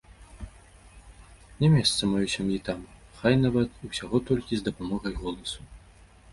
Не месца маёй сям'і там, хай нават і ўсяго толькі з дапамогай голасу.